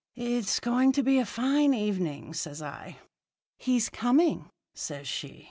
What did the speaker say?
"'It's going to be a fine evening,' says I. "'He's coming,' says she.